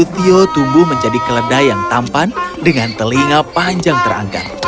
tio tumbuh menjadi keledai yang tampan dengan telinga panjang terangkat